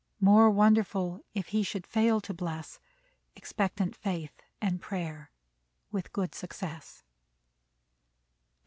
More wonderful if he should fail to bless Expectant faith and prayer with good success!